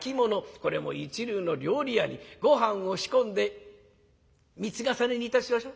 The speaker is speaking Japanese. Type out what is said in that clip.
これも一流の料理屋にごはんを仕込んで３つ重ねにいたしましょう。